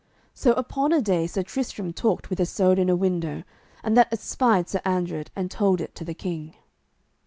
So upon a day Sir Tristram talked with Isoud in a window, and that espied Sir Andred, and told it to the king.